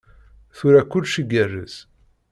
Tura kullec igerrez.